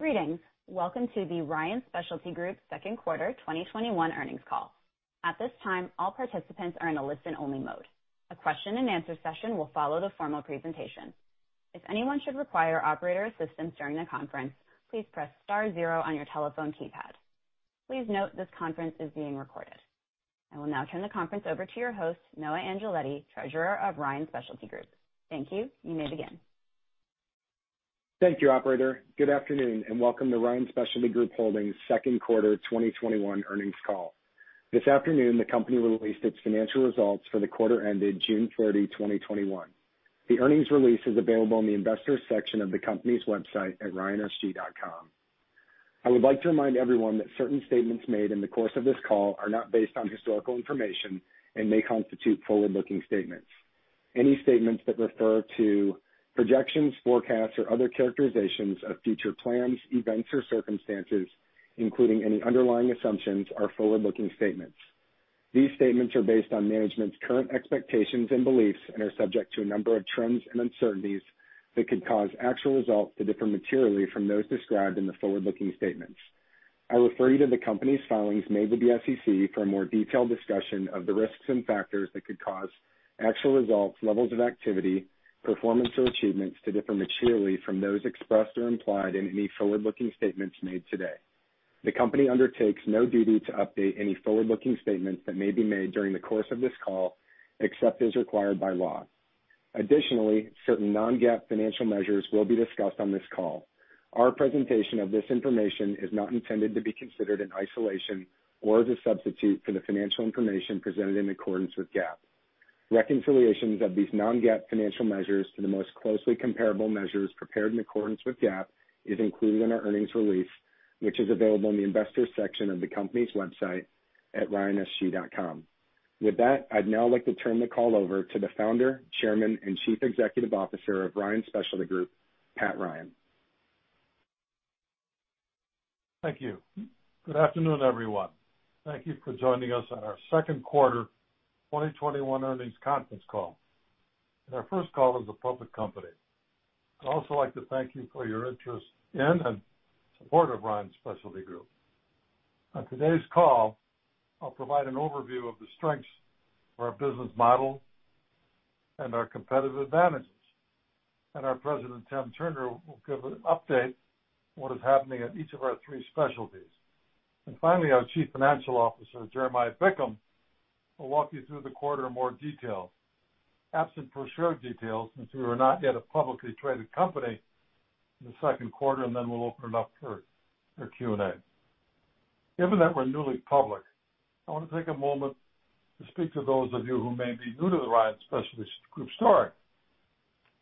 I will now turn the conference over to your host, Noah Angeletti, Treasurer of Ryan Specialty Group. Thank you. You may begin. Thank you, operator. Good afternoon. Welcome to Ryan Specialty Group Holdings Q2 2021 earnings call. This afternoon, the company released its financial results for the quarter ended June 30, 2021. The earnings release is available in the Investors section of the company's website at ryansg.com. I would like to remind everyone that certain statements made in the course of this call are not based on historical information and may constitute forward-looking statements. Any statements that refer to projections, forecasts, or other characterizations of future plans, events, or circumstances, including any underlying assumptions, are forward-looking statements. These statements are based on management's current expectations and beliefs and are subject to a number of trends and uncertainties that could cause actual results to differ materially from those described in the forward-looking statements. I refer you to the company's filings made with the SEC for a more detailed discussion of the risks and factors that could cause actual results, levels of activity, performance, or achievements to differ materially from those expressed or implied in any forward-looking statements made today. The company undertakes no duty to update any forward-looking statements that may be made during the course of this call, except as required by law. Additionally, certain non-GAAP financial measures will be discussed on this call. Our presentation of this information is not intended to be considered in isolation or as a substitute for the financial information presented in accordance with GAAP. Reconciliations of these non-GAAP financial measures to the most closely comparable measures prepared in accordance with GAAP is included in our earnings release, which is available in the Investors section of the company's website at ryansg.com. With that, I'd now like to turn the call over to the Founder, Chairman, and Chief Executive Officer of Ryan Specialty Group, Pat Ryan. Thank you. Good afternoon, everyone. Thank you for joining us on our Q2 2021 earnings conference call, and our first call as a public company. I'd also like to thank you for your interest in and support of Ryan Specialty Group. On today's call, I'll provide an overview of the strengths of our business model and our competitive advantages. Our President, Tim Turner, will give an update on what is happening at each of our three specialties. Finally, our Chief Financial Officer, Jeremiah Bickham, will walk you through the quarter in more detail, absent per share details, since we were not yet a publicly traded company in the Q2. We'll open it up for Q&A. Given that we're newly public, I want to take a moment to speak to those of you who may be new to the Ryan Specialty Group story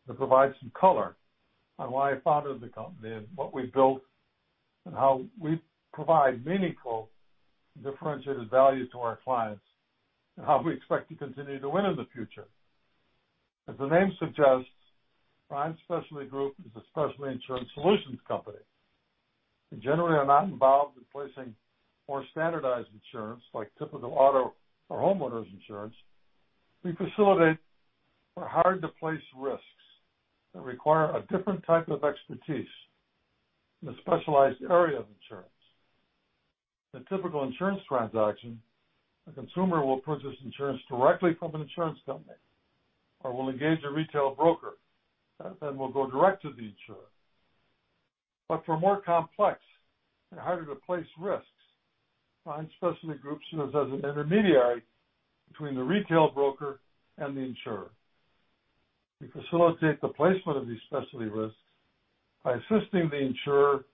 and provide some color on why I founded the company and what we've built, and how we provide meaningful, differentiated value to our clients, and how we expect to continue to win in the future. As the name suggests, Ryan Specialty Group is a specialty insurance solutions company. We generally are not involved in placing more standardized insurance, like typical auto or homeowners insurance. We facilitate for hard-to-place risks that require a different type of expertise in a specialized area of insurance. In a typical insurance transaction, a consumer will purchase insurance directly from an insurance company or will engage a retail broker that then will go direct to the insurer. For more complex and harder-to-place risks, Ryan Specialty Group serves as an intermediary between the retail broker and the insurer. We facilitate the placement of these specialty risks by assisting the insurer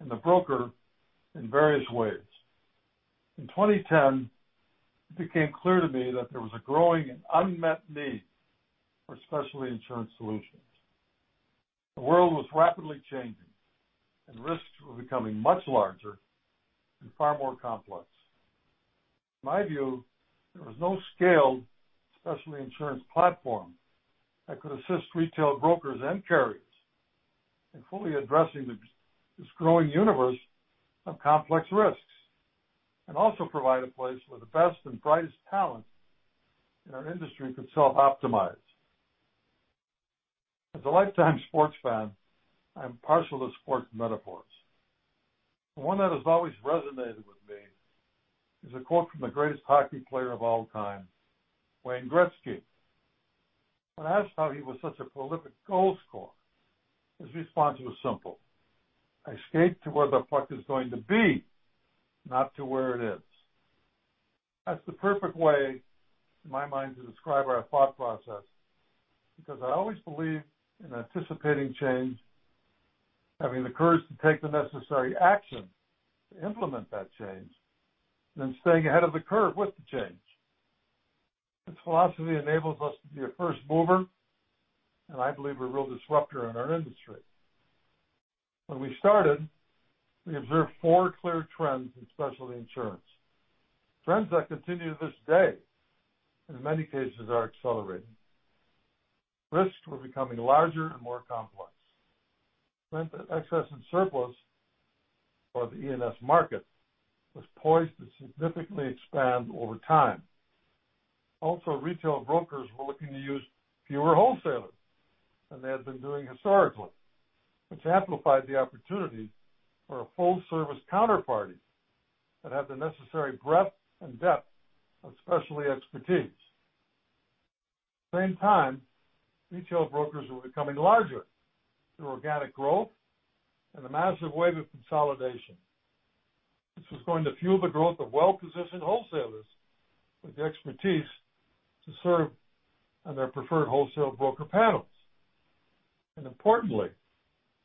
and the broker in various ways. In 2010, it became clear to me that there was a growing and unmet need for specialty insurance solutions. The world was rapidly changing, risks were becoming much larger and far more complex. In my view, there was no scaled specialty insurance platform that could assist retail brokers and carriers in fully addressing this growing universe of complex risks and also provide a place where the best and brightest talent in our industry could self-optimize. As a lifetime sports fan, I am partial to sports metaphors. The one that has always resonated with me is a quote from the greatest hockey player of all time, Wayne Gretzky. When asked how he was such a prolific goal scorer, his response was simple: "I skate to where the puck is going to be, not to where it is." That's the perfect way, in my mind, to describe our thought process because I always believe in anticipating change, having the courage to take the necessary action to implement that change, and then staying ahead of the curve with the change. This philosophy enables us to be a first mover, and I believe a real disruptor in our industry. When we started, we observed four clear trends in specialty insurance, trends that continue to this day, and in many cases are accelerating. Risks were becoming larger and more complex. The excess and surplus or the E&S market was poised to significantly expand over time. Retail brokers were looking to use fewer wholesalers than they had been doing historically, which amplified the opportunity for a full-service counterparty that had the necessary breadth and depth of specialty expertise. At the same time, retail brokers were becoming larger through organic growth and a massive wave of consolidation. This was going to fuel the growth of well-positioned wholesalers with the expertise to serve on their preferred wholesale broker panels. Importantly,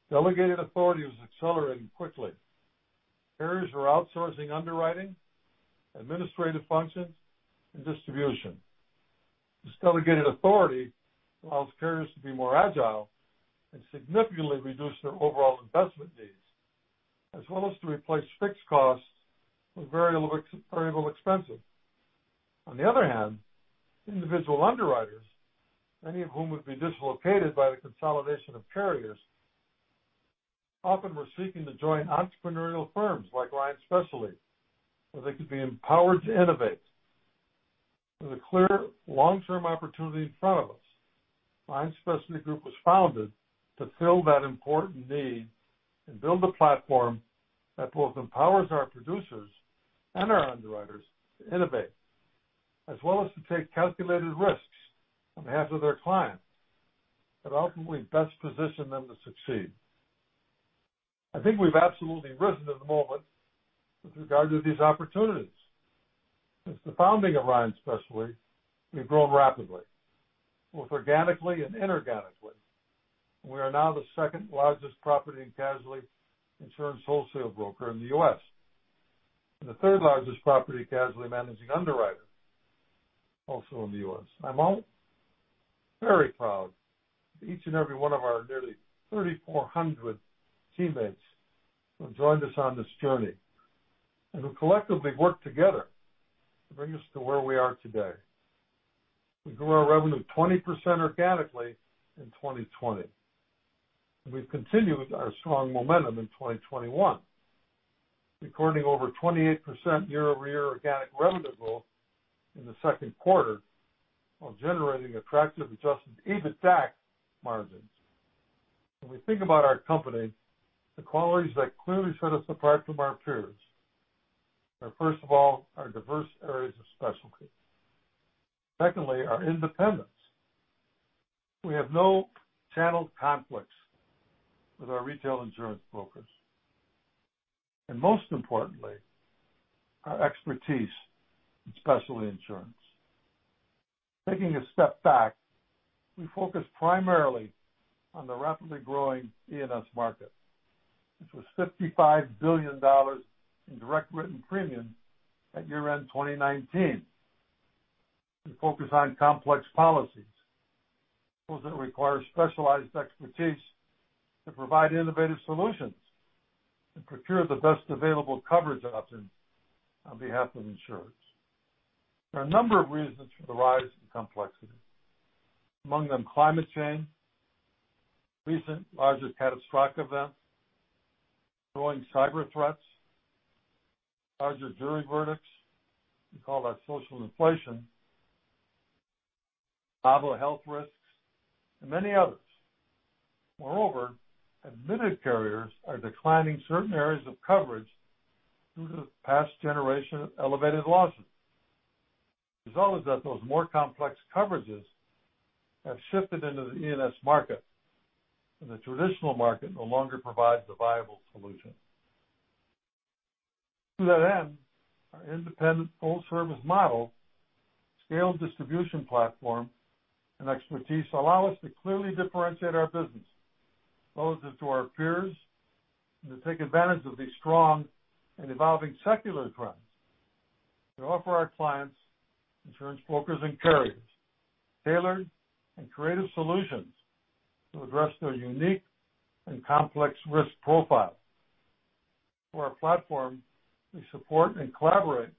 delegated authority was accelerating quickly. Carriers were outsourcing underwriting, administrative functions, and distribution. This delegated authority allows carriers to be more agile and significantly reduce their overall investment needs, as well as to replace fixed costs with variable expenses. On the other hand, individual underwriters, many of whom would be dislocated by the consolidation of carriers, often were seeking to join entrepreneurial firms like Ryan Specialty, where they could be empowered to innovate. With a clear long-term opportunity in front of us, Ryan Specialty Group was founded to fill that important need and build a platform that both empowers our producers and our underwriters to innovate, as well as to take calculated risks on behalf of their clients that ultimately best position them to succeed. I think we've absolutely risen to the moment with regard to these opportunities. Since the founding of Ryan Specialty, we've grown rapidly, both organically and inorganically. We are now the second-largest property and casualty insurance wholesale broker in the U.S. and the third-largest property and casualty managing underwriter, also in the U.S. I'm very proud of each and every one of our nearly 3,400 teammates who have joined us on this journey and who collectively worked together to bring us to where we are today. We grew our revenue 20% organically in 2020. We've continued our strong momentum in 2021, recording over 28% year-over-year organic revenue growth in the Q2 while generating attractive adjusted EBITDA margins. When we think about our company, the qualities that clearly set us apart from our peers are, first of all, our diverse areas of specialty. Secondly, our independence. We have no channel conflicts with our retail insurance brokers. Most importantly, our expertise in specialty insurance. Taking a step back, we focus primarily on the rapidly growing E&S market, which was $55 billion in direct written premium at year-end 2019. We focus on complex policies, those that require specialized expertise to provide innovative solutions and procure the best available coverage options on behalf of insurers. There are a number of reasons for the rise in complexity. Among them, climate change, recent larger catastrophic events, growing cyber threats, larger jury verdicts, we call that social inflation, novel health risks, and many others. Admitted carriers are declining certain areas of coverage due to the past generation of elevated losses. The result is that those more complex coverages have shifted into the E&S market, and the traditional market no longer provides a viable solution. To that end, our independent full-service model, scaled distribution platform, and expertise allow us to clearly differentiate our business, both as to our peers, and to take advantage of these strong and evolving secular trends and offer our clients, insurance brokers, and carriers tailored and creative solutions to address their unique and complex risk profiles. Through our platform, we support and collaborate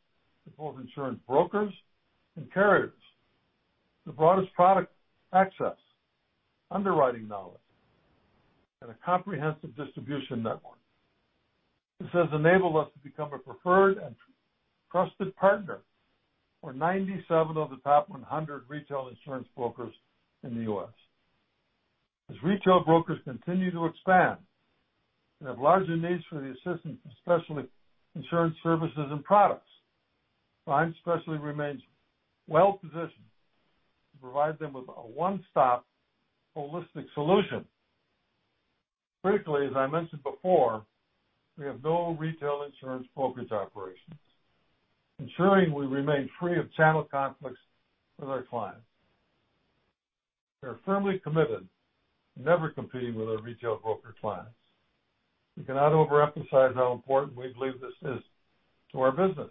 with both insurance brokers and carriers, the broadest product access, underwriting knowledge, and a comprehensive distribution network. This has enabled us to become a preferred and trusted partner for 97 of the top 100 retail insurance brokers in the U.S. As retail brokers continue to expand and have larger needs for the assistance of specialty insurance services and products, Ryan Specialty remains well-positioned to provide them with a one-stop holistic solution. Critically, as I mentioned before, we have no retail insurance brokerage operations, ensuring we remain free of channel conflicts with our clients. We are firmly committed to never competing with our retail broker clients. We cannot overemphasize how important we believe this is to our business.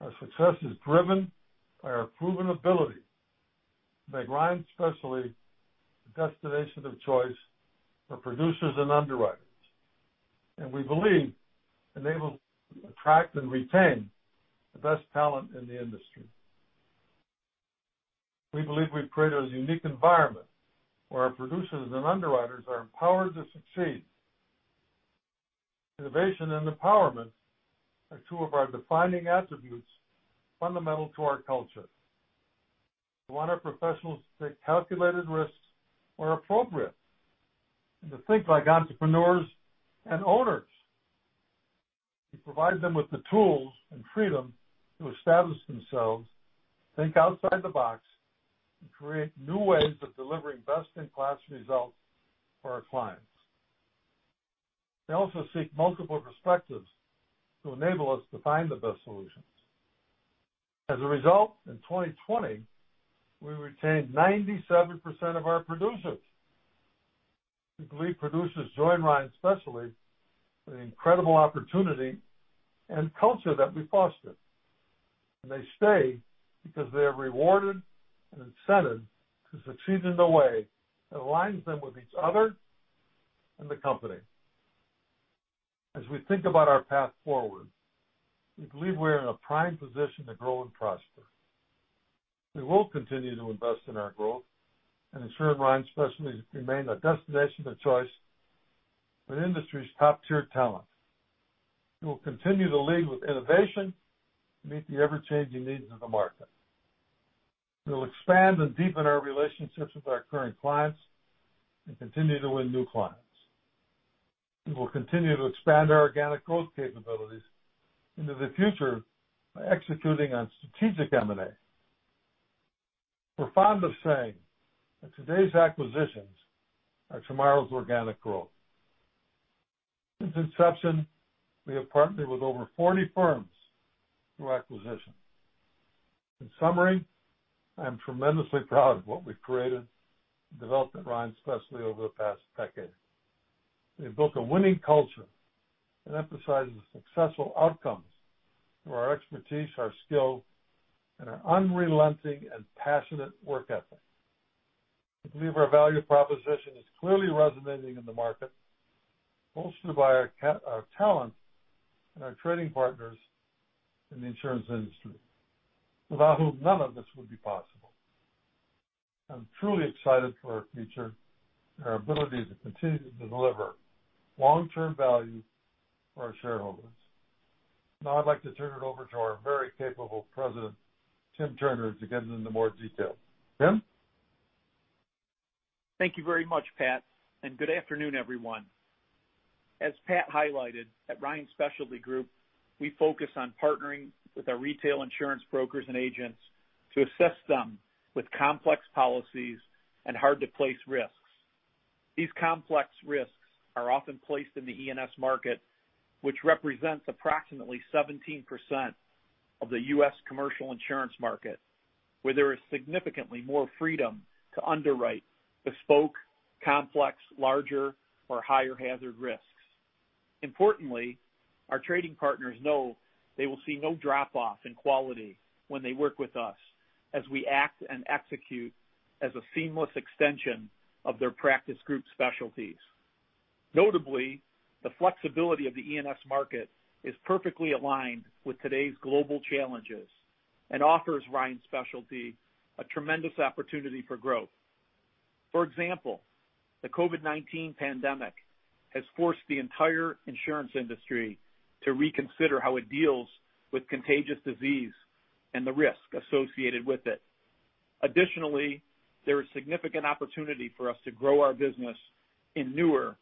Our success is driven by our proven ability to make Ryan Specialty the destination of choice for producers and underwriters, and we believe enables us to attract and retain the best talent in the industry. We believe we've created a unique environment where our producers and underwriters are empowered to succeed. Innovation and empowerment are two of our defining attributes fundamental to our culture. We want our professionals to take calculated risks where appropriate, and to think like entrepreneurs and owners. We provide them with the tools and freedom to establish themselves, think outside the box, and create new ways of delivering best-in-class results for our clients. They also seek multiple perspectives to enable us to find the best solutions. As a result, in 2020, we retained 97% of our producers. We believe producers join Ryan Specialty for the incredible opportunity and culture that we foster, and they stay because they are rewarded and incented to succeed in a way that aligns them with each other and the company. As we think about our path forward, we believe we are in a prime position to grow and prosper. We will continue to invest in our growth and ensure Ryan Specialty remains a destination of choice for the industry's top-tier talent. We will continue to lead with innovation to meet the ever-changing needs of the market. We will expand and deepen our relationships with our current clients and continue to win new clients. We will continue to expand our organic growth capabilities into the future by executing on strategic M&A. We're fond of saying that today's acquisitions are tomorrow's organic growth. Since inception, we have partnered with over 40 firms through acquisition. In summary, I am tremendously proud of what we've created and developed at Ryan Specialty over the past decade. We've built a winning culture that emphasizes successful outcomes through our expertise, our skill, and our unrelenting and passionate work ethic. We believe our value proposition is clearly resonating in the market, bolstered by our talent and our trading partners in the insurance industry, without whom none of this would be possible. I'm truly excited for our future and our ability to continue to deliver long-term value for our shareholders. Now I'd like to turn it over to our very capable President, Tim Turner, to get into more detail. Tim? Thank you very much, Pat. Good afternoon, everyone. As Pat highlighted, at Ryan Specialty Group, we focus on partnering with our retail insurance brokers and agents to assist them with complex policies and hard-to-place risks. These complex risks are often placed in the E&S market, which represents approximately 17% of the U.S. commercial insurance market, where there is significantly more freedom to underwrite bespoke, complex, larger, or higher hazard risks. Importantly, our trading partners know they will see no drop-off in quality when they work with us as we act and execute as a seamless extension of their practice group specialties. Notably, the flexibility of the E&S market is perfectly aligned with today's global challenges and offers Ryan Specialty a tremendous opportunity for growth. For example, the COVID-19 pandemic has forced the entire insurance industry to reconsider how it deals with contagious disease and the risk associated with it. Additionally, there is significant opportunity for us to grow our business in newer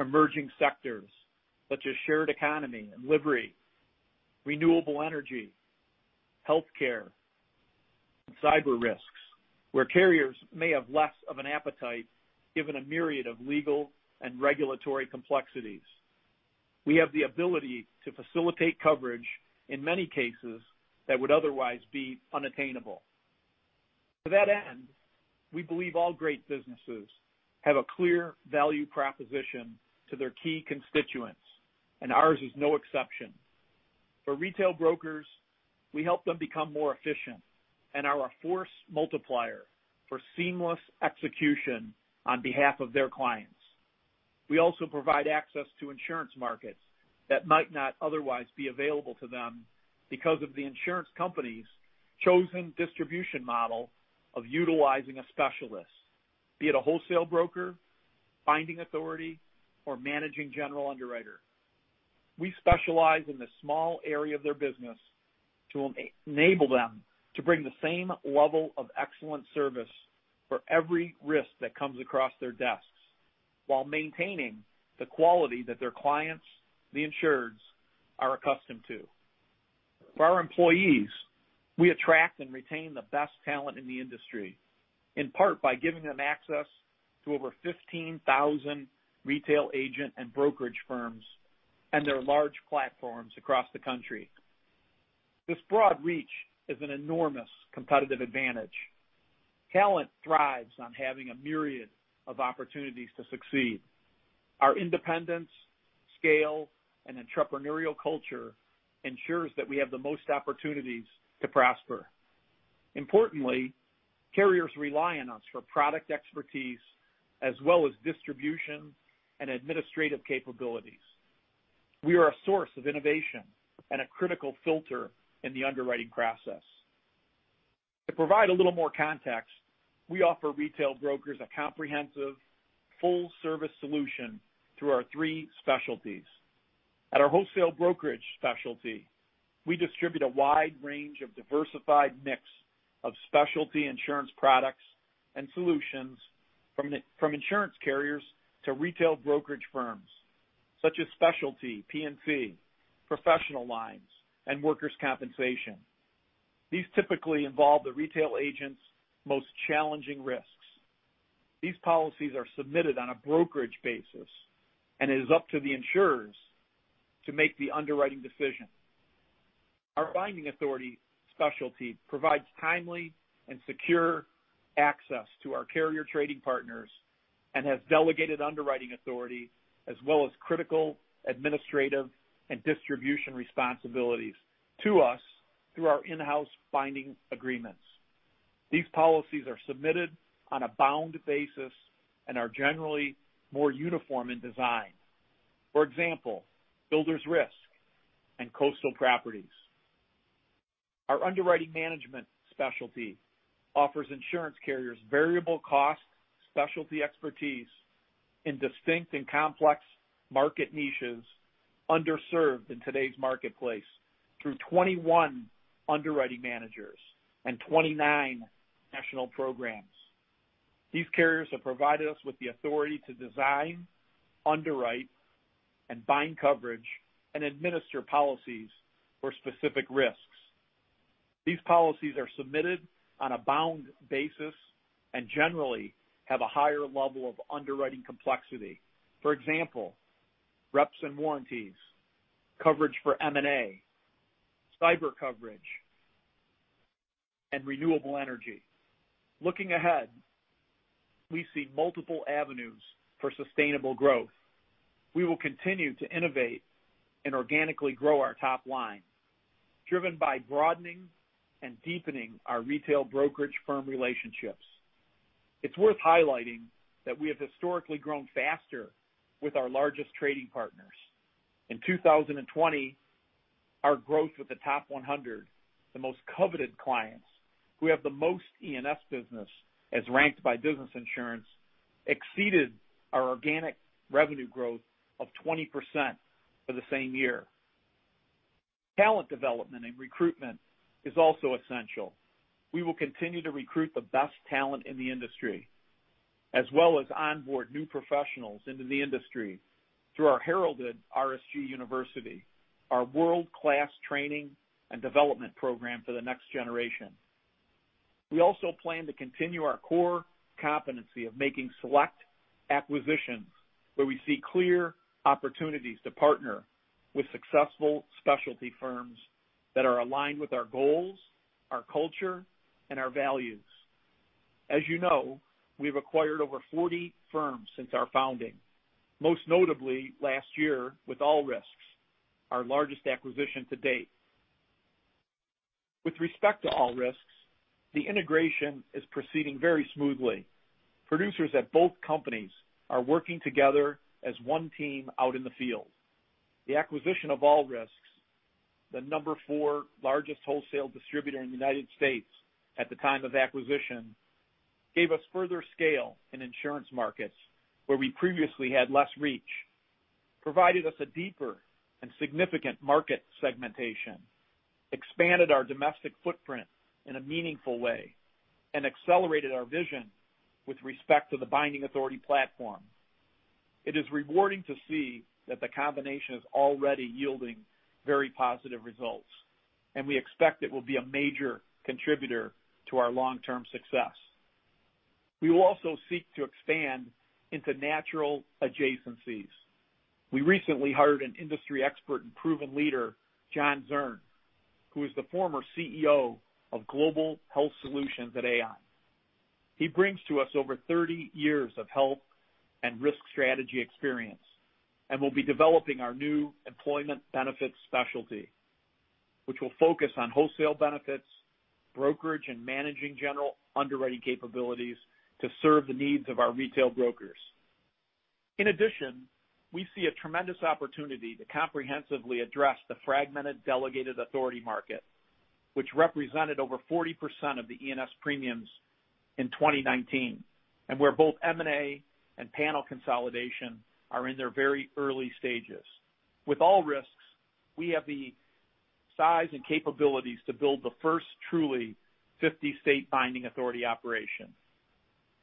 emerging sectors such as shared economy and livery, renewable energy, healthcare, and cyber risks, where carriers may have less of an appetite given a myriad of legal and regulatory complexities. We have the ability to facilitate coverage in many cases that would otherwise be unattainable. To that end, we believe all great businesses have a clear value proposition to their key constituents, and ours is no exception. For retail brokers, we help them become more efficient and are a force multiplier for seamless execution on behalf of their clients. We also provide access to insurance markets that might not otherwise be available to them because of the insurance company's chosen distribution model of utilizing a specialist, be it a wholesale broker, binding authority, or managing general underwriter. We specialize in the small area of their business to enable them to bring the same level of excellent service for every risk that comes across their desks while maintaining the quality that their clients, the insureds, are accustomed to. For our employees, we attract and retain the best talent in the industry, in part by giving them access to over 15,000 retail agent and brokerage firms and their large platforms across the country. This broad reach is an enormous competitive advantage. Talent thrives on having a myriad of opportunities to succeed. Our independence, scale, and entrepreneurial culture ensures that we have the most opportunities to prosper. Importantly, carriers rely on us for product expertise as well as distribution and administrative capabilities. We are a source of innovation and a critical filter in the underwriting process. To provide a little more context, we offer retail brokers a comprehensive full-service solution through our three specialties. At our wholesale brokerage specialty, we distribute a wide range of diversified mix of specialty insurance products and solutions from insurance carriers to retail brokerage firms, such as specialty P&C, professional lines, and workers' compensation. These typically involve the retail agent's most challenging risks. These policies are submitted on a brokerage basis, and it is up to the insurers to make the underwriting decision. Our binding authority specialty provides timely and secure access to our carrier trading partners and has delegated underwriting authority as well as critical administrative and distribution responsibilities to us through our in-house binding agreements. These policies are submitted on a bound basis and are generally more uniform in design. For example, builders risk and coastal properties. Our underwriting management specialty offers insurance carriers variable cost specialty expertise in distinct and complex market niches underserved in today's marketplace through 21 underwriting managers and 29 national programs. These carriers have provided us with the authority to design, underwrite, and bind coverage, and administer policies for specific risks. These policies are submitted on a bound basis and generally have a higher level of underwriting complexity. For example, reps and warranties, coverage for M&A, cyber coverage, and renewable energy. Looking ahead, we see multiple avenues for sustainable growth. We will continue to innovate and organically grow our top line, driven by broadening and deepening our retail brokerage firm relationships. It's worth highlighting that we have historically grown faster with our largest trading partners. In 2020, our growth with the top 100, the most coveted clients who have the most E&S business as ranked by Business Insurance, exceeded our organic revenue growth of 20% for the same year. Talent development and recruitment is also essential. We will continue to recruit the best talent in the industry, as well as onboard new professionals into the industry through our heralded RSG University, our world-class training and development program for the next generation. We also plan to continue our core competency of making select acquisitions where we see clear opportunities to partner with successful specialty firms that are aligned with our goals, our culture, and our values. As you know, we've acquired over 40 firms since our founding, most notably last year with All Risks, our largest acquisition to date. With respect to All Risks, the integration is proceeding very smoothly. Producers at both companies are working together as one team out in the field. The acquisition of All Risks, the number four largest wholesale distributor in the U.S. at the time of acquisition, gave us further scale in insurance markets where we previously had less reach, provided us a deeper and significant market segmentation, expanded our domestic footprint in a meaningful way, and accelerated our vision with respect to the binding authority platform. It is rewarding to see that the combination is already yielding very positive results, and we expect it will be a major contributor to our long-term success. We will also seek to expand into natural adjacencies. We recently hired an industry expert and proven leader, John Zern, who is the former CEO of Global Health Solutions at AIG. He brings to us over 30 years of health and risk strategy experience and will be developing our new employment benefits specialty, which will focus on wholesale benefits, brokerage, and managing general underwriting capabilities to serve the needs of our retail brokers. In addition, we see a tremendous opportunity to comprehensively address the fragmented delegated authority market, which represented over 40% of the E&S premiums in 2019, and where both M&A and panel consolidation are in their very early stages. With All Risks, we have the size and capabilities to build the first truly 50-state binding authority operation.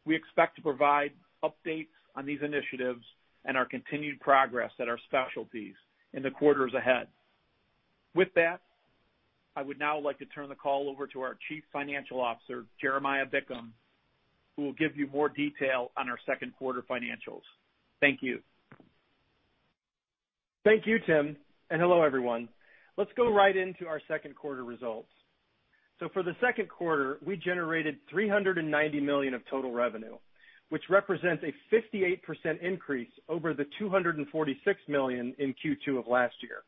We expect to provide updates on these initiatives and our continued progress at our specialties in the quarters ahead. With that, I would now like to turn the call over to our Chief Financial Officer, Jeremiah Bickham, who will give you more detail on our Q2 financials. Thank you. Thank you, Tim. Hello, everyone. Let's go right into our Q2 results. For the Q2, we generated $390 million of total revenue, which represents a 58% increase over the $246 million in Q2 of last year.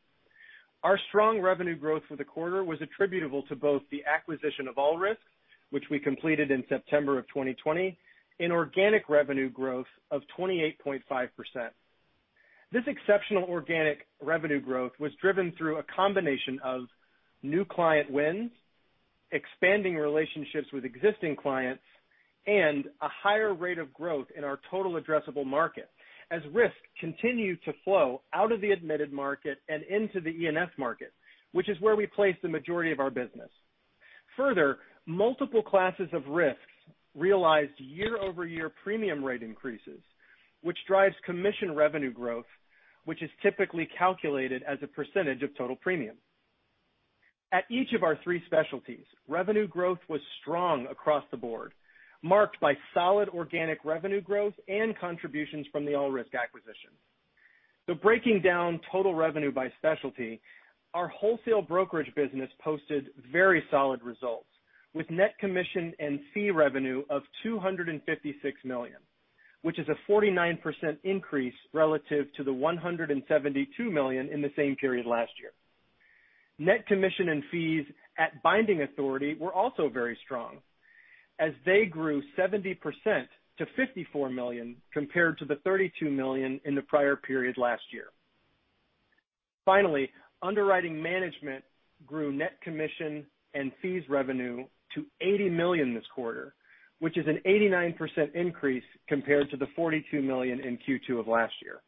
Our strong revenue growth for the quarter was attributable to both the acquisition of All Risks, which we completed in September of 2020, and organic revenue growth of 28.5%. This exceptional organic revenue growth was driven through a combination of new client wins, expanding relationships with existing clients, and a higher rate of growth in our total addressable market as risk continued to flow out of the admitted market and into the E&S market, which is where we place the majority of our business. Further, multiple classes of risks realized year-over-year premium rate increases, which drives commission revenue growth, which is typically calculated as a percentage of total premium. At each of our three specialties, revenue growth was strong across the board, marked by solid organic revenue growth and contributions from the All Risks acquisition. Breaking down total revenue by specialty, our Wholesale Brokerage business posted very solid results with net commission and fee revenue of $256 million, which is a 49% increase relative to the $172 million in the same period last year. Net commission and fees at Binding Authority were also very strong as they grew 70% to $54 million compared to the $32 million in the prior period last year. Finally, Underwriting Management grew net commission and fees revenue to $80 million this quarter, which is an 89% increase compared to the $42 million in Q2 of last year.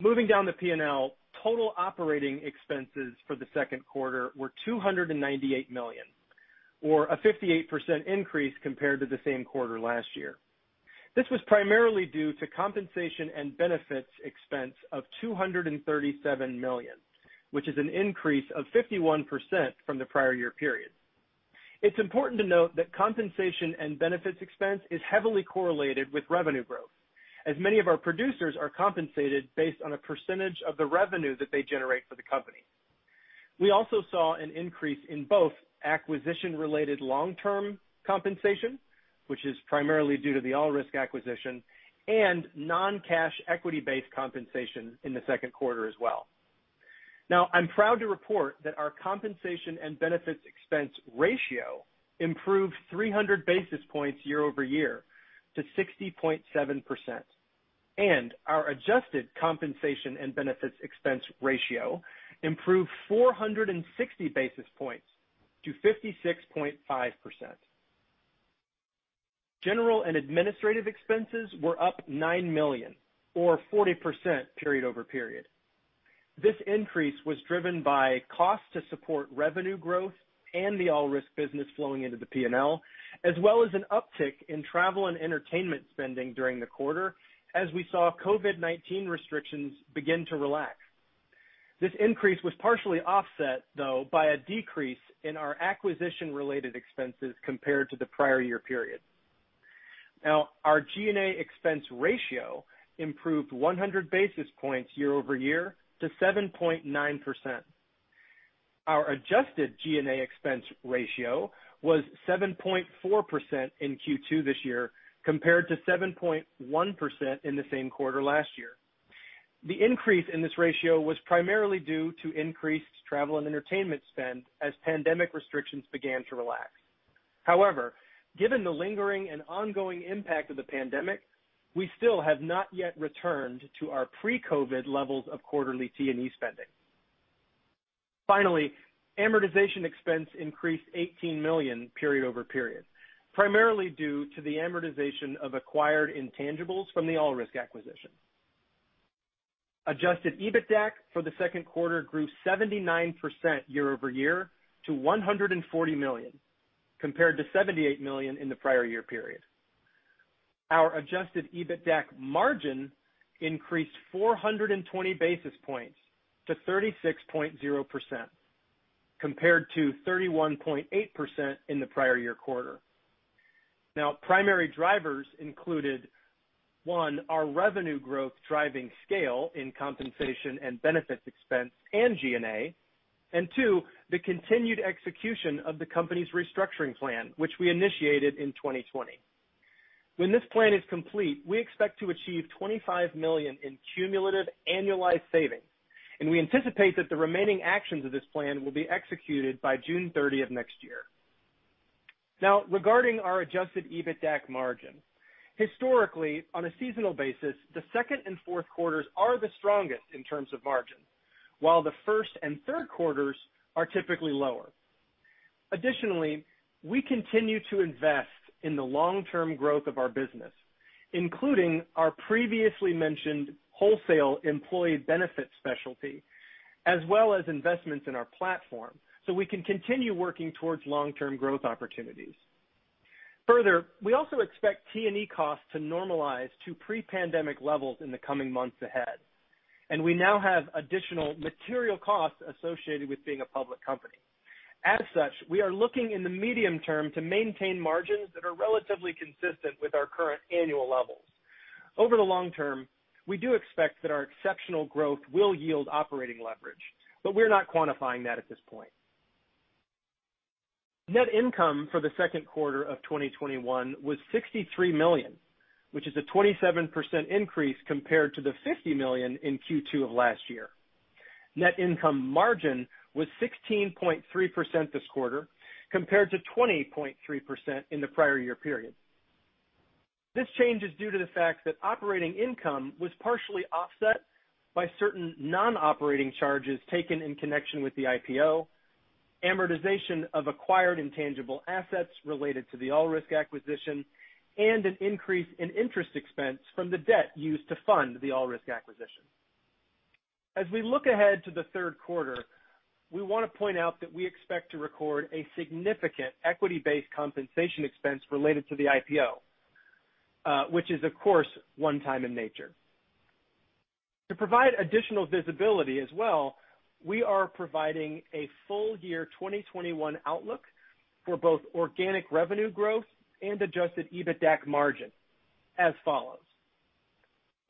Moving down the P&L, total operating expenses for the Q2 were $298 million, or a 58% increase compared to the same quarter last year. This was primarily due to compensation and benefits expense of $237 million, which is an increase of 51% from the prior year period. It's important to note that compensation and benefits expense is heavily correlated with revenue growth, as many of our producers are compensated based on a percentage of the revenue that they generate for the company. We also saw an increase in both acquisition-related long-term compensation, which is primarily due to the All Risks acquisition, and non-cash equity-based compensation in the Q2 as well. I'm proud to report that our compensation and benefits expense ratio improved 300 basis points year-over-year to 60.7%, and our adjusted compensation and benefits expense ratio improved 460 basis points to 56.5%. General and administrative expenses were up $9 million or 40% period-over-period. This increase was driven by cost to support revenue growth and the All Risks business flowing into the P&L, as well as an uptick in travel and entertainment spending during the quarter as we saw COVID-19 restrictions begin to relax. This increase was partially offset, though, by a decrease in our acquisition-related expenses compared to the prior year period. Our G&A expense ratio improved 100 basis points year-over-year to 7.9%. Our adjusted G&A expense ratio was 7.4% in Q2 this year, compared to 7.1% in the same quarter last year. The increase in this ratio was primarily due to increased travel and entertainment spend as pandemic restrictions began to relax. Given the lingering and ongoing impact of the pandemic, we still have not yet returned to our pre-COVID levels of quarterly T&E spending. Finally, amortization expense increased $18 million period-over-period, primarily due to the amortization of acquired intangibles from the All Risks acquisition. Adjusted EBITDAC for the Q2 grew 79% year-over-year to $140 million, compared to $78 million in the prior year period. Our adjusted EBITDAC margin increased 420 basis points to 36.0%, compared to 31.8% in the prior year quarter. Primary drivers included, one, our revenue growth driving scale in compensation and benefits expense and G&A. Two, the continued execution of the company's restructuring plan, which we initiated in 2020. When this plan is complete, we expect to achieve $25 million in cumulative annualized savings, and we anticipate that the remaining actions of this plan will be executed by June 30th, of next year. Regarding our adjusted EBITDAC margin. Historically, on a seasonal basis, the second and Q4s are the strongest in terms of margin, while the first and Q3s are typically lower. Additionally, we continue to invest in the long-term growth of our business, including our previously mentioned wholesale employee benefit specialty, as well as investments in our platform so we can continue working towards long-term growth opportunities. Further, we also expect T&E costs to normalize to pre-pandemic levels in the coming months ahead, and we now have additional material costs associated with being a public company. As such, we are looking in the medium term to maintain margins that are relatively consistent with our current annual levels. Over the long term, we do expect that our exceptional growth will yield operating leverage, but we're not quantifying that at this point. Net income for the Q2 of 2021 was $63 million, which is a 27% increase compared to the $50 million in Q2 of last year. Net income margin was 16.3% this quarter, compared to 20.3% in the prior year period. This change is due to the fact that operating income was partially offset by certain non-operating charges taken in connection with the IPO, amortization of acquired intangible assets related to the All Risks acquisition, and an increase in interest expense from the debt used to fund the All Risks acquisition. As we look ahead to the Q3, we want to point out that we expect to record a significant equity-based compensation expense related to the IPO, which is, of course, one-time in nature. To provide additional visibility as well, we are providing a full year 2021 outlook for both organic revenue growth and Adjusted EBITDAC margin as follows.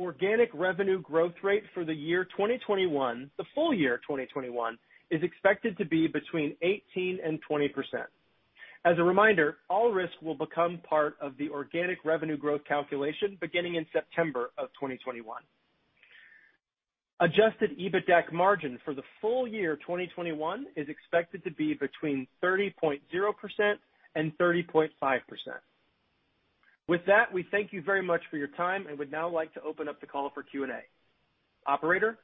Organic revenue growth rate for the year 2021, the full year 2021, is expected to be between 18% and 20%. As a reminder, All Risks will become part of the organic revenue growth calculation beginning in September of 2021. Adjusted EBITDAC margin for the full year 2021 is expected to be between 30.0% and 30.5%. With that, we thank you very much for your time and would now like to open up the call for Q&A. Operator?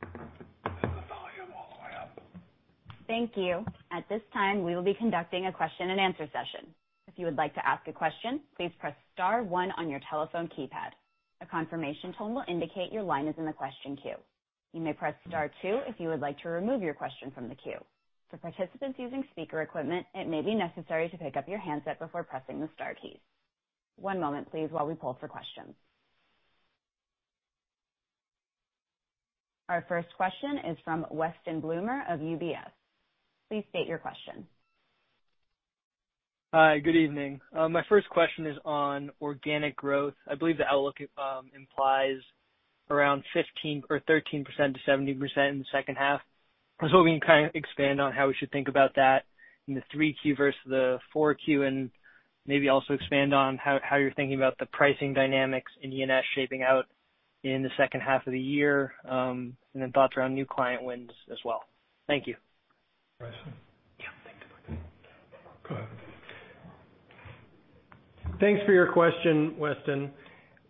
The volume all the way up. Thank you. At this time, we will be conducting a question and answer session. If you would like to ask a question, please press star one on your telephone keypad. A confirmation tone will indicate your line is in the question queue. You may press star two if you would like to remove your question from the queue. For participants using speaker equipment, it may be necessary to pick up your handset before pressing the star keys. One moment please while we pull for questions. Our first question is from Weston Bloomer of UBS. Please state your question. Hi, good evening. My first question is on organic growth. I believe the outlook implies around 15% or 13%-17% in the H2. I was hoping you could expand on how we should think about that in the 3Q versus the 4Q, and maybe also expand on how you're thinking about the pricing dynamics in E&S shaping out in the H2 of the year, and then thoughts around new client wins as well. Thank you. pricing? Yeah. Thanks. Go ahead. Thanks for your question, Weston.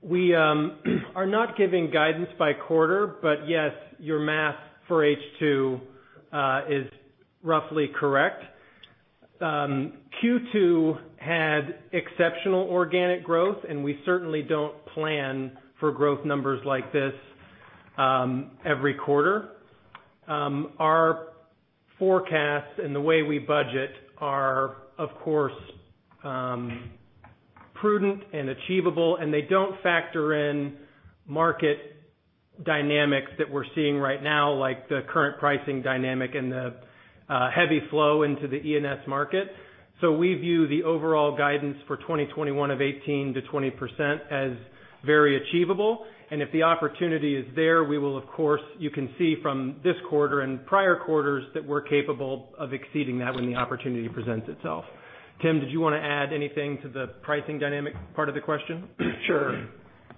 We are not giving guidance by quarter. Yes, your math for H2 is roughly correct. Q2 had exceptional organic growth. We certainly don't plan for growth numbers like this every quarter. Our forecasts and the way we budget are, of course, prudent and achievable. They don't factor in market dynamics that we're seeing right now, like the current pricing dynamic and the heavy flow into the E&S market. We view the overall guidance for 2021 of 18%-20% as very achievable. If the opportunity is there, we will, of course, you can see from this quarter and prior quarters that we're capable of exceeding that when the opportunity presents itself. Tim, did you want to add anything to the pricing dynamic part of the question? Sure.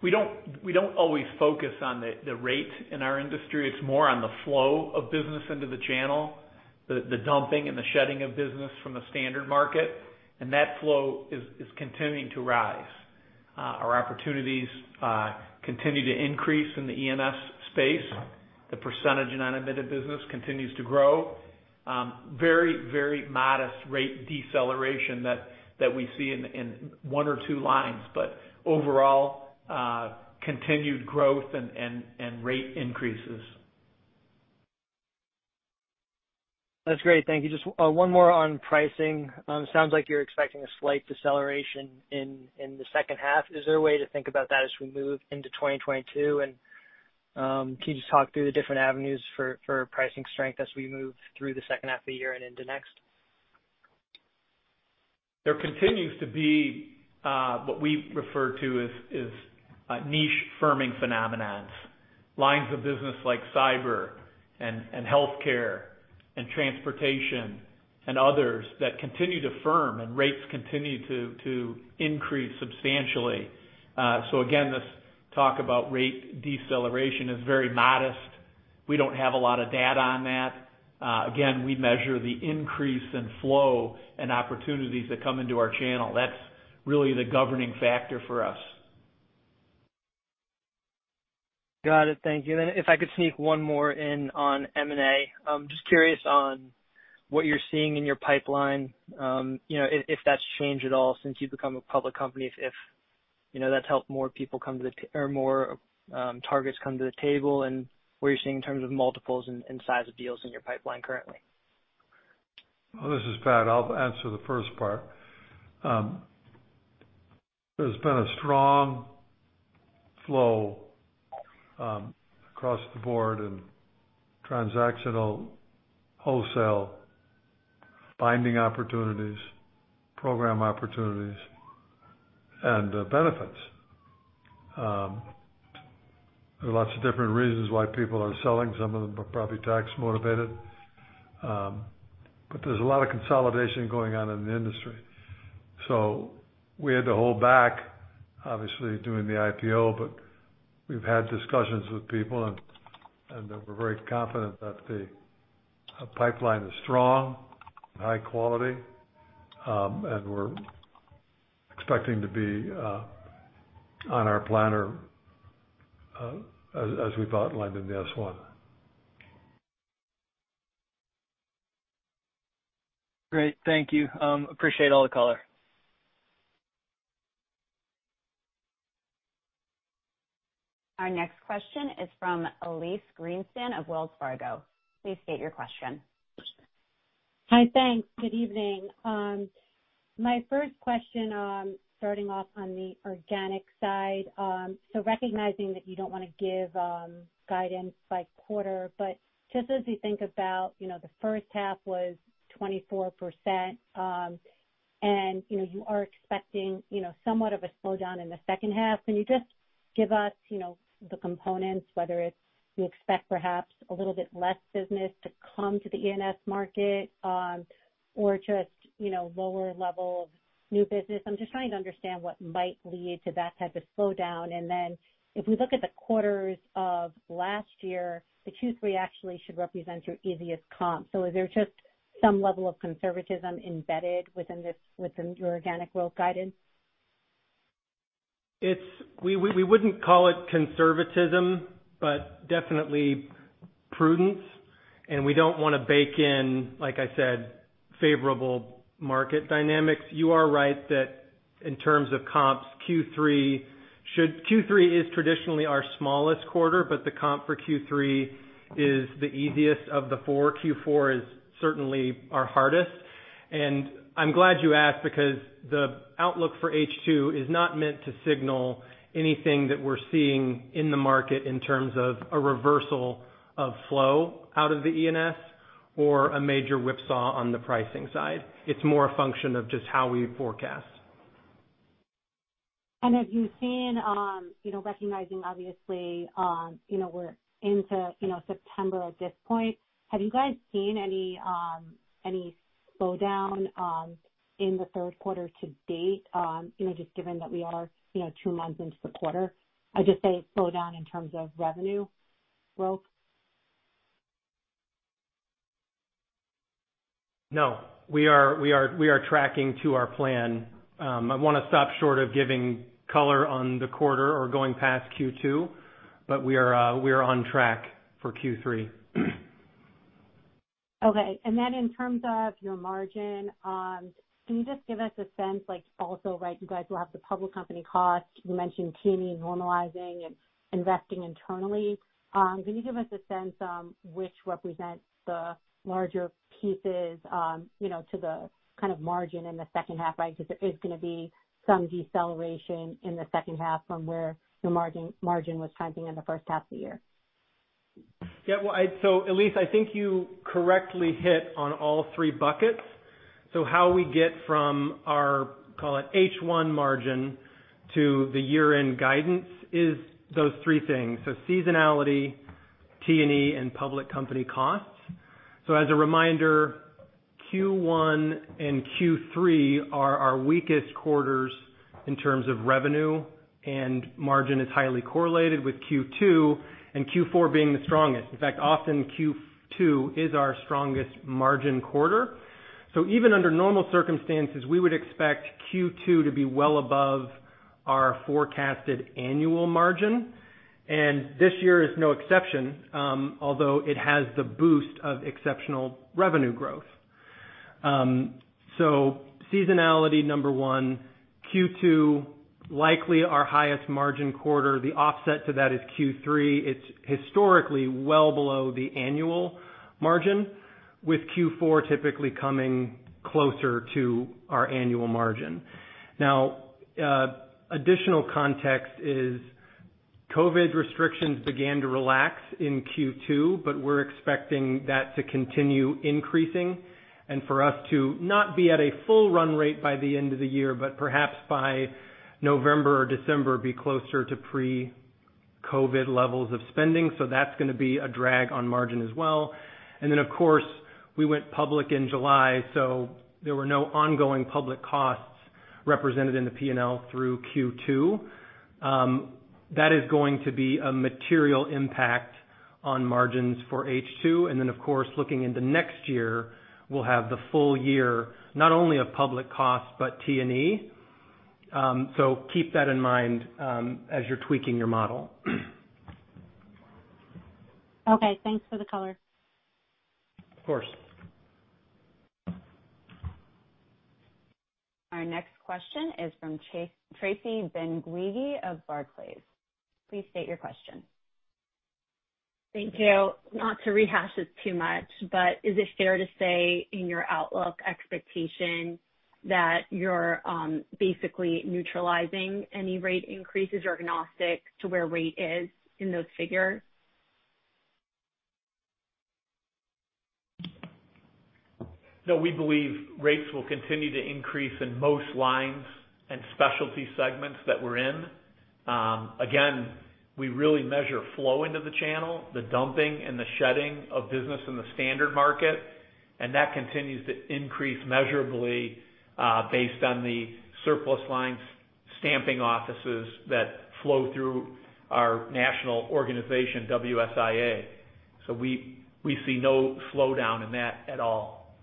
We don't always focus on the rate in our industry. It's more on the flow of business into the channel, the dumping and the shedding of business from the standard market. That flow is continuing to rise. Our opportunities continue to increase in the E&S space. The percentage in unadmitted business continues to grow. Very modest rate deceleration that we see in one or teo lines, overall, continued growth and rate increases. That's great. Thank you. Just one more on pricing. It sounds like you're expecting a slight deceleration in the H2. Is there a way to think about that as we move into 2022? Can you just talk through the different avenues for pricing strength as we move through the H2 of the year and into next? There continues to be what we refer to as niche firming phenomenons. Lines of business like cyber and healthcare and transportation and others that continue to firm and rates continue to increase substantially. Again, this talk about rate deceleration is very modest. We don't have a lot of data on that. Again, we measure the increase in flow and opportunities that come into our channel. That's really the governing factor for us. Got it. Thank you. If I could sneak one more in on M&A. Just curious on what you're seeing in your pipeline, if that's changed at all since you've become a public company, if that's helped more targets come to the table, and what you're seeing in terms of multiples and size of deals in your pipeline currently. This is Pat. I'll answer the first part. There's been a strong flow across the board in transactional wholesale binding opportunities, program opportunities, and benefits. There are lots of different reasons why people are selling. Some of them are probably tax motivated. There's a lot of consolidation going on in the industry. We had to hold back, obviously, doing the IPO, but we've had discussions with people, and we're very confident that the Our pipeline is strong and high quality, and we're expecting to be on our plan or as we thought, landing the S-1. Great. Thank you. Appreciate all the color. Our next question is from Elyse Greenspan of Wells Fargo. Please state your question. Hi, thanks. Good evening. My first question, starting off on the organic side. Recognizing that you don't want to give guidance by quarter, but just as you think about the H1 was 24%, and you are expecting somewhat of a slowdown in the H2. Can you just give us the components, whether it's you expect perhaps a little bit less business to come to the E&S market, or just lower level of new business. I'm just trying to understand what might lead to that type of slowdown. If we look at the quarters of last year, the Q3 actually should represent your easiest comp. Is there just some level of conservatism embedded within your organic growth guidance? We wouldn't call it conservatism, but definitely prudence, and we don't want to bake in, like I said, favorable market dynamics. You are right that in terms of comps, Q3 is traditionally our smallest quarter, but the comp for Q3 is the easiest of the four. Q4 is certainly our hardest. I'm glad you asked because the outlook for H2 is not meant to signal anything that we're seeing in the market in terms of a reversal of flow out of the E&S or a major whip saw on the pricing side. It's more a function of just how we forecast. Have you seen, recognizing obviously, we're into September at this point, have you guys seen any slowdown in the Q3 to date, just given that we are tei months into the quarter? I just say slowdown in terms of revenue growth. No, we are tracking to our plan. I want to stop short of giving color on the quarter or going past Q2, but we are on track for Q3. Okay. In terms of your margin, can you just give us a sense, also, right, you guys will have the public company costs. You mentioned T&E normalizing and investing internally. Can you give us a sense which represents the larger pieces to the kind of margin in the H2, right? Because there is going to be some deceleration in the H2 from where your margin was trending in the H1 of the year. Elyse, I think you correctly hit on all three buckets. How we get from our, call it H1 margin to the year-end guidance is those three things. Seasonality, T&E, and public company costs. As a reminder, Q1 and Q3 are our weakest quarters in terms of revenue, and margin is highly correlated with Q2, and Q4 being the strongest. In fact, often Q2 is our strongest margin quarter. Even under normal circumstances, we would expect Q2 to be well above our forecasted annual margin. This year is no exception, although it has the boost of exceptional revenue growth. Seasonality, number one, Q2, likely our highest margin quarter. The offset to that is Q3. It's historically well below the annual margin with Q4 typically coming closer to our annual margin. Additional context is COVID restrictions began to relax in Q2, but we're expecting that to continue increasing and for us to not be at a full run rate by the end of the year, but perhaps by November or December, be closer to pre-COVID levels of spending. That's going to be a drag on margin as well. Of course, we went public in July, so there were no ongoing public costs represented in the P&L through Q2. That is going to be a material impact on margins for H2. Of course, looking into next year, we'll have the full year, not only of public costs, but T&E. Keep that in mind as you're tweaking your model. Okay. Thanks for the color. Of course. Our next question is from Tracy Benguigui of Barclays. Please state your question. Thank you. Is it fair to say in your outlook expectation that you're basically neutralizing any rate increases or agnostic to where rate is in those figures? No, we believe rates will continue to increase in most lines and specialty segments that we're in. Again, we really measure flow into the channel, the dumping and the shedding of business in the standard market. That continues to increase measurably based on the surplus lines stamping offices that flow through our national organization, WSIA. We see no slowdown in that at all.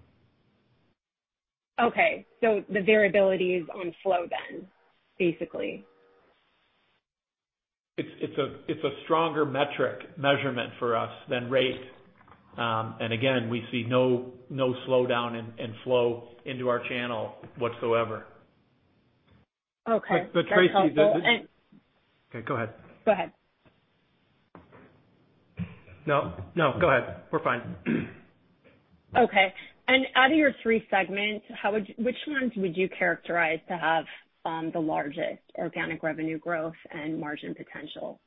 Okay. The variability is on flow then, basically. It's a stronger metric measurement for us than rate. Again, we see no slowdown in flow into our channel whatsoever. Okay. That's helpful. Tracy, okay, go ahead. Go ahead. No, go ahead. We're fine. Okay. Out of your threee segments, which ones would you characterize to have the largest organic revenue growth and margin potential?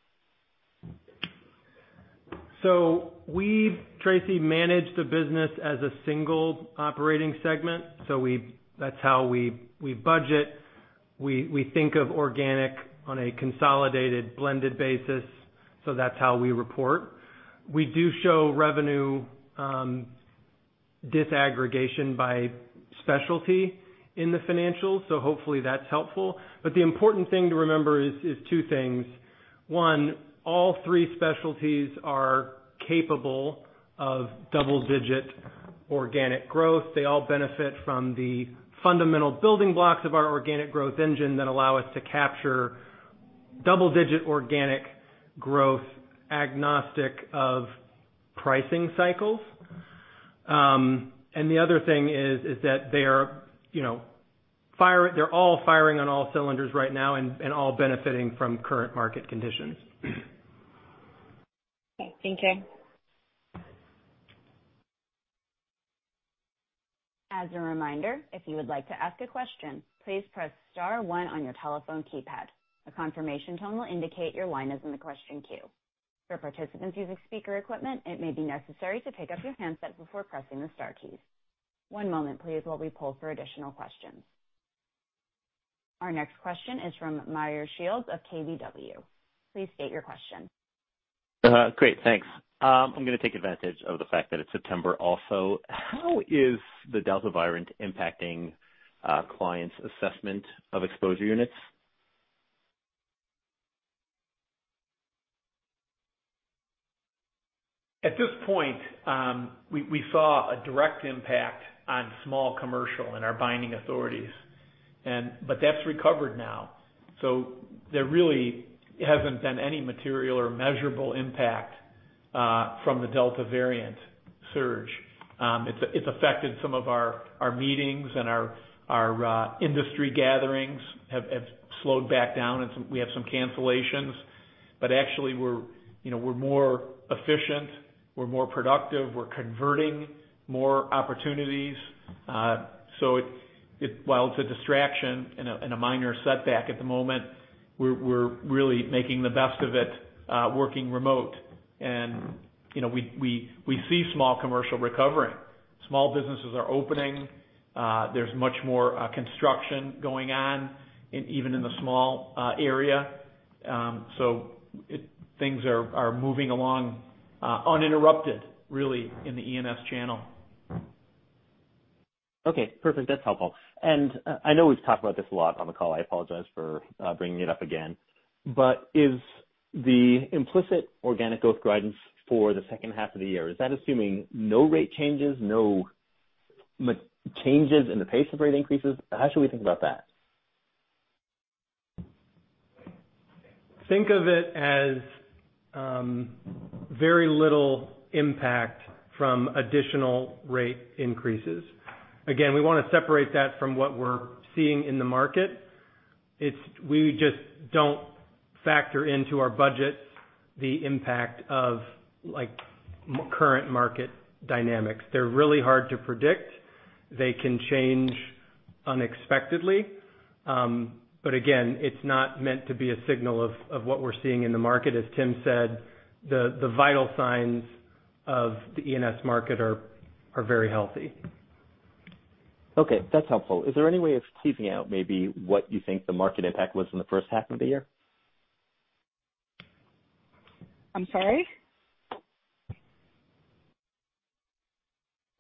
We, Tracy, manage the business as a single operating segment. That's how we budget. We think of organic on a consolidated blended basis, so that's how we report. We do show revenue disaggregation by specialty in the financials, so hopefully that's helpful. The important thing to remember is two things. One, all three specialties are capable of double-digit organic growth. They all benefit from the fundamental building blocks of our organic growth engine that allow us to capture double-digit organic growth agnostic of pricing cycles. The other thing is that they're all firing on all cylinders right now and all benefiting from current market conditions. Okay. Thank you. As a reminder, if you would like to ask a question, please press star one on your telephone keypad. A confirmation tone will indicate your line is in the question queue. For partcipants using a speaker equipment, it may be necessary to pick up your handset before pressing the star keys. One moment, please, while we poll for additional questions. Our next question is from Meyer Shields of KBW. Please state your question. Great, thanks. I'm going to take advantage of the fact that it's September also. How is the Delta variant impacting clients' assessment of exposure units? At this point, we saw a direct impact on small commercial in our binding authorities. That's recovered now. There really hasn't been any material or measurable impact from the Delta variant surge. It's affected some of our meetings, and our industry gatherings have slowed back down, and we have some cancellations, but actually, we're more efficient, we're more productive, we're converting more opportunities. While it's a distraction and a minor setback at the moment, we're really making the best of it working remote. We see small commercial recovering. Small businesses are opening. There's much more construction going on, even in the small area. Things are moving along uninterrupted, really, in the E&S channel. Okay, perfect. That's helpful. I know we've talked about this a lot on the call, I apologize for bringing it up again, is the implicit organic growth guidance for the H2 of the year, is that assuming no rate changes, no changes in the pace of rate increases? How should we think about that? Think of it as very little impact from additional rate increases. Again, we want to separate that from what we're seeing in the market. We just don't factor into our budgets the impact of current market dynamics. They're really hard to predict. They can change unexpectedly. Again, it's not meant to be a signal of what we're seeing in the market. As Tim said, the vital signs of the E&S market are very healthy. Okay. That's helpful. Is there any way of teasing out maybe what you think the market impact was in the H1 of the year? I'm sorry?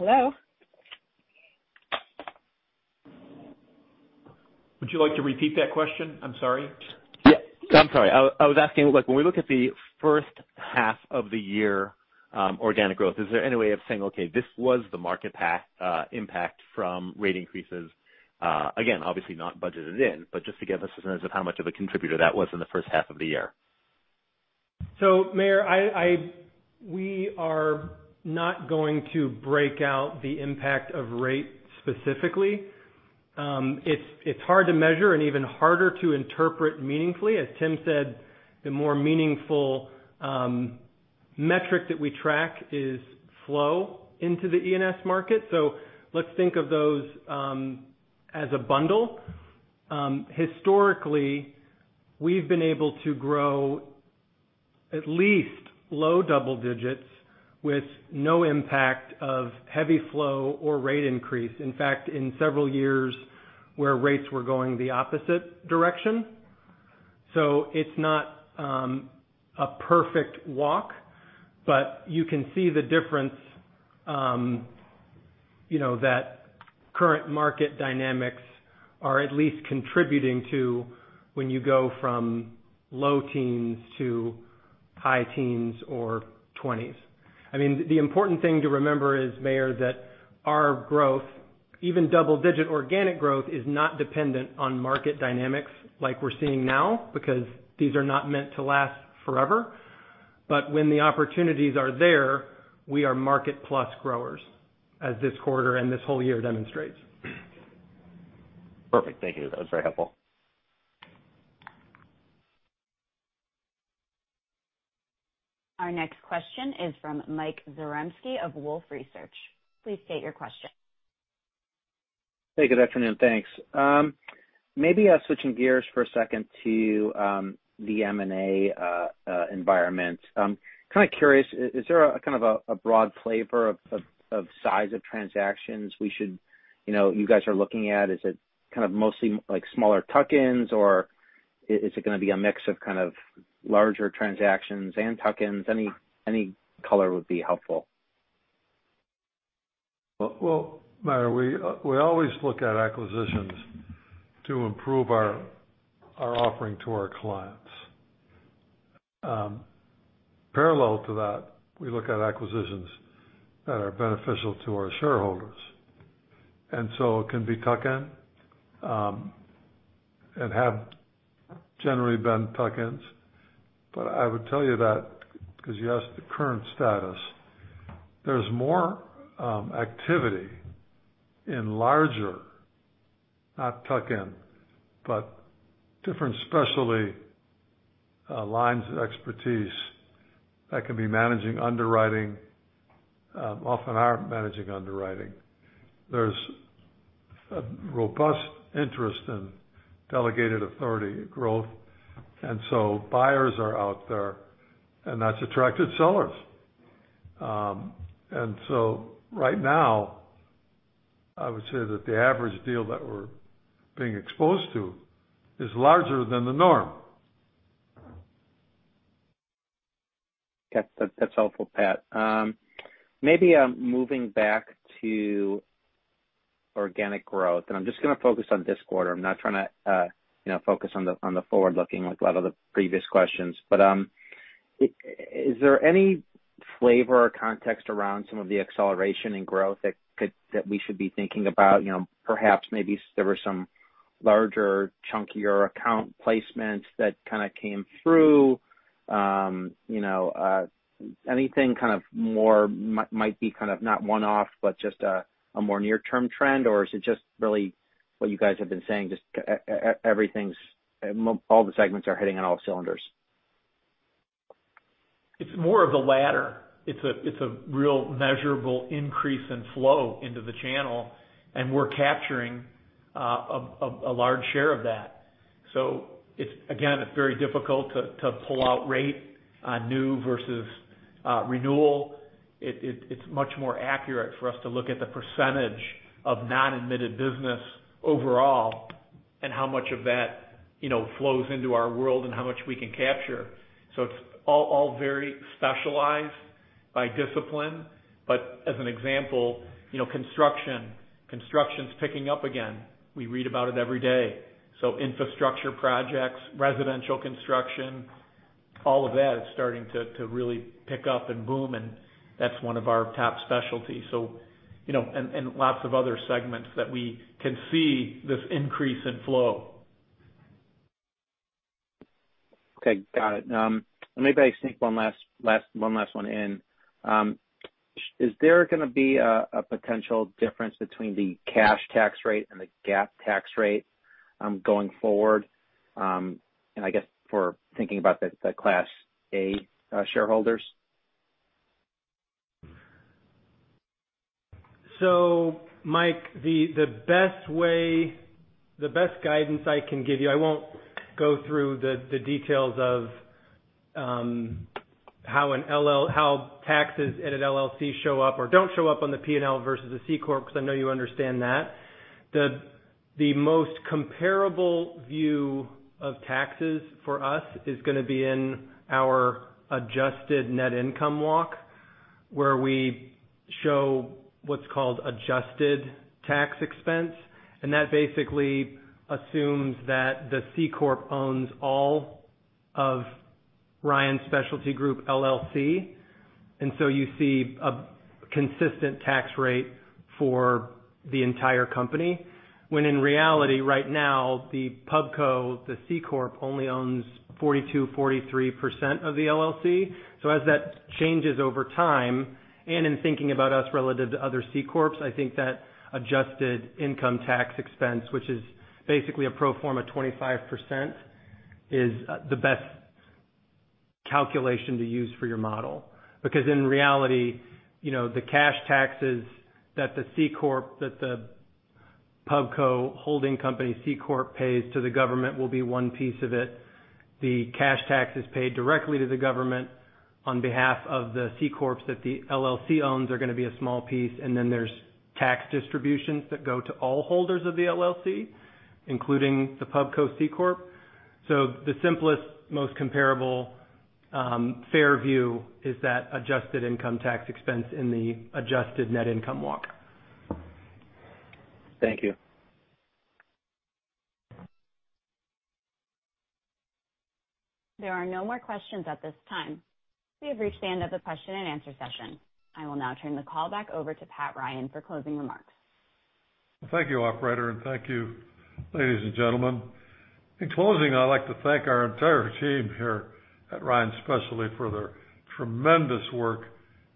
Hello? Would you like to repeat that question? I'm sorry. Yeah. I'm sorry. I was asking, when we look at the H1 of the year organic growth, is there any way of saying, okay, this was the market impact from rate increases, again, obviously not budgeted in, but just to give us a sense of how much of a contributor that was in the H1 of the year? Meyer, we are not going to break out the impact of rate specifically. It's hard to measure and even harder to interpret meaningfully. As Tim said, the more meaningful metric that we track is flow into the E&S market. Let's think of those as a bundle. Historically, we've been able to grow at least low double digits with no impact of heavy flow or rate increase. In fact, in several years where rates were going the opposite direction. It's not a perfect walk, but you can see the difference, that current market dynamics are at least contributing to when you go from low teens to high teens or 20s. The important thing to remember is, Meyer, that our growth, even double-digit organic growth, is not dependent on market dynamics like we're seeing now, because these are not meant to last forever. When the opportunities are there, we are market-plus growers, as this quarter and this whole year demonstrates. Perfect. Thank you. That was very helpful. Our next question is from Mike Zaremski of Wolfe Research. Please state your question. Hey, good afternoon. Thanks. Maybe switching gears for a second to the M&A environment. Curious, is there a broad flavor of size of transactions you guys are looking at? Is it mostly smaller tuck-ins, or is it going to be a mix of larger transactions and tuck-ins? Any color would be helpful. Meyer, we always look at acquisitions to improve our offering to our clients. Parallel to that, we look at acquisitions that are beneficial to our shareholders, and so it can be tuck-in, and have generally been tuck-ins. I would tell you that, because you asked the current status, there's more activity in larger, not tuck-in, but different specialty lines of expertise that can be underwriting management, often are underwriting management. There's a robust interest in delegated authority growth. Buyers are out there, and that's attracted sellers. Right now, I would say that the average deal that we're being exposed to is larger than the norm. That's helpful, Pat. Maybe moving back to organic growth, and I'm just going to focus on this quarter. I'm not trying to focus on the forward-looking like a lot of the previous questions. Is there any flavor or context around some of the acceleration in growth that we should be thinking about? Perhaps maybe there were some larger, chunkier account placements that came through. Anything more might be kind of not one-off, but just a more near-term trend? Is it just really what you guys have been saying, just all the segments are hitting on all cylinders? It's more of the latter. It's a real measurable increase in flow into the channel, and we're capturing a large share of that. Again, it's very difficult to pull out rate on new versus renewal. It's much more accurate for us to look at the percentage of non-admitted business overall, and how much of that flows into our world and how much we can capture. It's all very specialized by discipline. As an example, construction's picking up again. We read about it every day. Infrastructure projects, residential construction, all of that is starting to really pick up and boom, and that's one of our top specialties. Lots of other segments that we can see this increase in flow. Okay, got it. Maybe I sneak one last one in. Is there going to be a potential difference between the cash tax rate and the GAAP tax rate going forward, I guess for thinking about the Class A shareholders? Mike, the best guidance I can give you, I won't go through the details of how taxes at an LLC show up or don't show up on the P&L versus a C corp, because I know you understand that. The most comparable view of taxes for us is going to be in our adjusted net income walk, where we show what's called adjusted tax expense. That basically assumes that the C corp owns all of Ryan Specialty Group, LLC. You see a consistent tax rate for the entire company, when in reality, right now, the pub co, the C corp only owns 42%, 43% of the LLC. As that changes over time, and in thinking about us relative to other C corps, I think that adjusted income tax expense, which is basically a pro forma 25%, is the best calculation to use for your model. In reality, the cash taxes that the pub co holding company C corp pays to the government will be one piece of it. The cash taxes paid directly to the government on behalf of the C corps that the LLC owns are going to be a small piece, and then there's tax distributions that go to all holders of the LLC, including the pub co C corp. The simplest, most comparable, fair view is that adjusted income tax expense in the adjusted net income walk. Thank you. There are no more questions at this time. We have reached the end of the question and answer session. I will now turn the call back over to Pat Ryan for closing remarks. Thank you, operator, and thank you, ladies and gentlemen. In closing, I'd like to thank our entire team here at Ryan Specialty for their tremendous work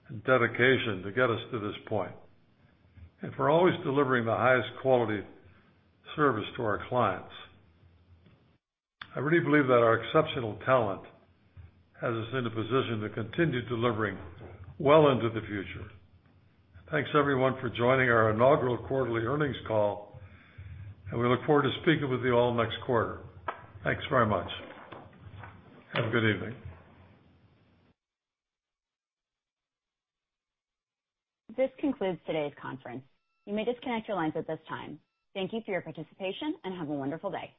and dedication to get us to this point, and for always delivering the highest quality service to our clients. I really believe that our exceptional talent has us in a position to continue delivering well into the future. Thanks everyone for joining our inaugural quarterly earnings call, and we look forward to speaking with you all next quarter. Thanks very much. Have a good evening. This concludes today's conference. You may disconnect your lines at this time. Thank you for your participation, and have a wonderful day.